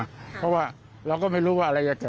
เพราะว่าเราก็ไม่รู้ว่าอะไรจะเจอ